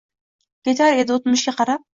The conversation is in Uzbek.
Ketar edi oʼtmishga qarab.